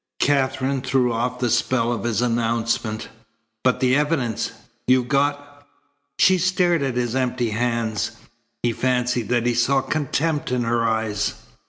Katherine threw off the spell of his announcement. "But the evidence! You got " She stared at his empty hands. He fancied that he saw contempt in her eyes.